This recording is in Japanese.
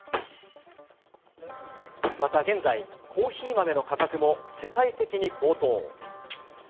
また現在、コーヒー豆の価格も世界的に高騰。